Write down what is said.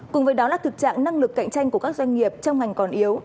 cùng với đó là thực trạng năng lực cạnh tranh của các doanh nghiệp trong ngành còn yếu